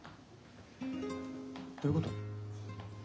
どういうこと？